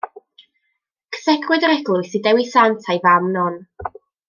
Cysegrwyd yr eglwys i Dewi Sant a'i fam Non.